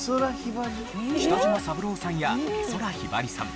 北島三郎さんや美空ひばりさん